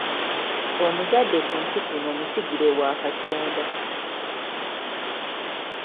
Omuzadde ku nsi kuno musigire wa Katonda.